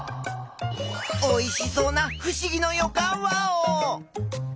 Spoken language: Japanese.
おいしそうなふしぎのよかんワオ！